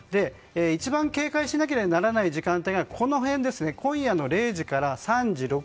一番警戒しなきゃいけない時間帯が今夜の０時から３時、６時。